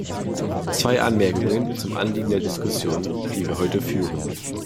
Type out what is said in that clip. Zwei Anmerkungen zum Anliegen der Diskussion, die wir heute führen.